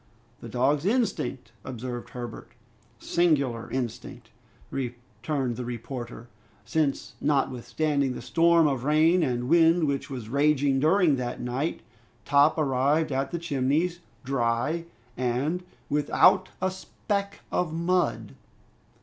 "The dog's instinct " observed Herbert. "Singular instinct!" returned the reporter, "since notwithstanding the storm of rain and wind which was raging during that night, Top arrived at the Chimneys, dry and without a speck of mud!"